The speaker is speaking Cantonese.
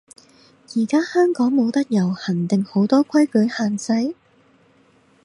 依家香港冇得遊行定好多規矩限制？